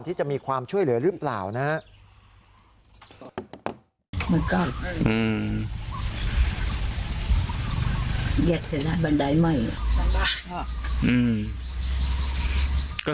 ที่จะมีความช่วยเหลือหรือเปล่านะครับ